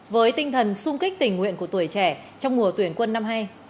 với tinh thần sung kích tình nguyện của tuổi trẻ trong mùa tuyển quân năm nay